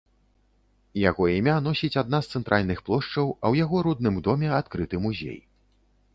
Яго імя носіць адна з цэнтральных плошчаў, а ў яго родным доме адкрыты музей.